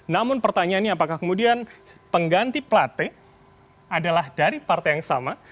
namun pertanyaannya apakah kemudian pengganti platte adalah dari partai yang sama